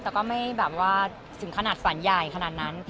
แต่ก็ไม่แบบว่าถึงขนาดฝันใหญ่ขนาดนั้น